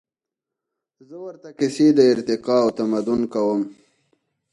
زهٔ ورته کیسې د ارتقا او تمدن کوم